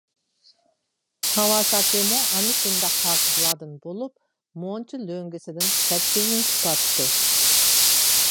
كاۋاساكىمۇ ئەنە شۇنداق پاكىزلاردىن بولۇپ، مۇنچا لۆڭگىسىدىن سەككىزنى تۇتاتتى.